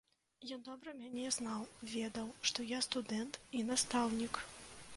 Ён добра мяне знаў, ведаў, што я студэнт і настаўнік.